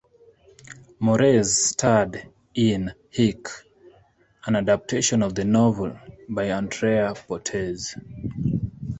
Moretz starred in "Hick," an adaptation of the novel by Andrea Portes.